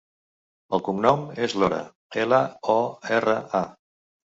El cognom és Lora: ela, o, erra, a.